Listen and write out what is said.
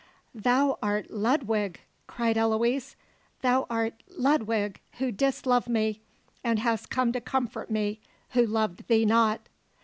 "Thou art Ludwig!" cried Eloise. "Thou art Ludwig, who didst love me, and hast come to comfort me who loved thee not!"